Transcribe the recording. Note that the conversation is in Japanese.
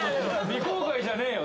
未公開じゃねえよ